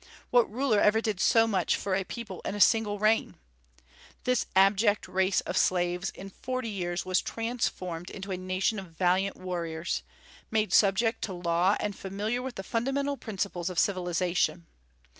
What ruler ever did so much for a people in a single reign? This abject race of slaves in forty years was transformed into a nation of valiant warriors, made subject to law and familiar with the fundamental principles of civilization.